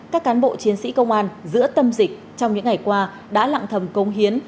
các cán bộ chiến sĩ công an giữa tâm dịch trong những ngày qua đã lặng thầm công hiến